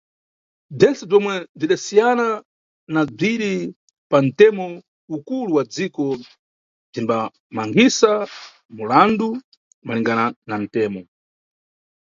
Bzentse bzomwe bzidasiyana na bziri pantemo ukulu wa dziko bzimbamangisa mulandu malingana na ntemo.